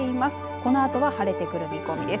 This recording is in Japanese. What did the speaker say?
このあとは晴れてくる見込みです。